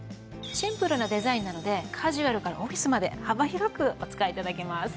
シンプルなデザインなのでカジュアルからオフィスまで幅広くお使いいただけます